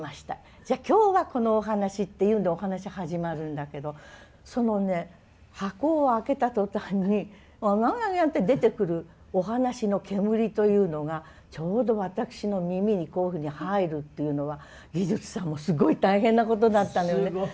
じゃあ今日はこのお話」っていうのでお話始まるんだけどそのね箱を開けた途端にほわんわんって出てくるお話の煙というのがちょうど私の耳にこういうふうに入るっていうのは技術さんもすごい大変なことだったのよね。